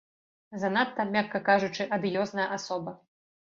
Занадта, мякка кажучы, адыёзная асоба.